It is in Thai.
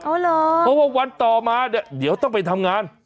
อ๋อเหรอเพราะว่าวันต่อมาเดี๋ยวต้องไปทำงาน